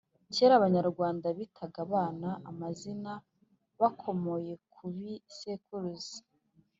Kera abanyarwanda bitaga abana amazina bakomoye kubi sekuruza